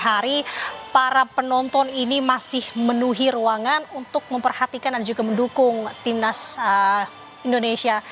hari para penonton ini masih menuhi ruangan untuk memperhatikan dan juga mendukung timnas indonesia